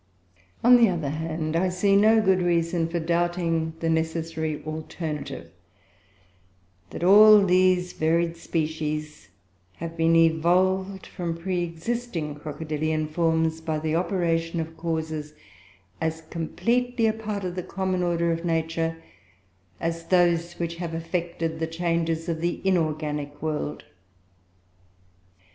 On the other hand, I see no good reason for doubting the necessary alternative, that all these varied species have been evolved from pre existing crocodilian forms, by the operation of causes as completely a part of the common order of nature as those which have effected the changes of the inorganic world.